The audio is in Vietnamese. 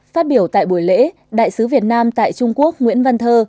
phát biểu tại buổi lễ đại sứ việt nam tại trung quốc nguyễn văn thơ